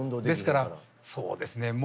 ですからそうですね